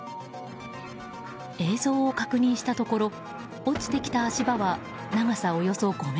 映像を確認したところ落ちてきた足場は長さおよそ５ｍ。